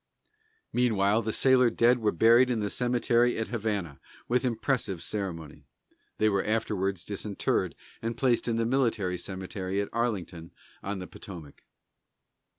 Meanwhile, the sailor dead were buried in the cemetery at Havana, with impressive ceremony. They were afterwards disinterred and placed in the military cemetery at Arlington on the Potomac.